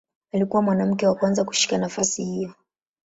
Alikuwa mwanamke wa kwanza kushika nafasi hiyo.